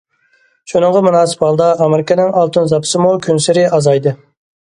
شۇنىڭغا مۇناسىپ ھالدا، ئامېرىكىنىڭ ئالتۇن زاپىسىمۇ كۈنسېرى ئازايدى.